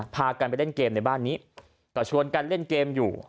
พากันไปเล่นเกมในบ้านนี้ก็ชวนกันเล่นเกมอยู่